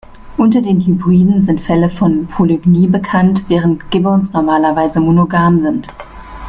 Unter den Hybriden sind Fälle von Polygynie bekannt, während Gibbons normalerweise monogam sind.